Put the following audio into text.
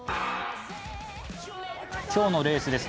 今日のレースです。